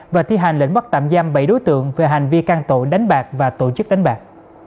và thi hành lệnh bắt tạm giam bảy đối tượng về hành vi can tội đánh bạc và tổ chức đánh bạc